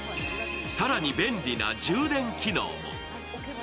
更に便利な充電機能も。